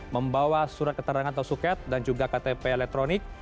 membawa surat keterangan atau suket dan juga ktp elektronik